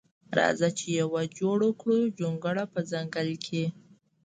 راځه چې یوه جوړه کړو جونګړه په ځنګل کښې